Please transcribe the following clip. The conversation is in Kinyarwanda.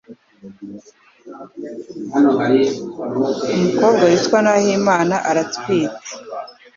umukobwa witwa nahimana aratwite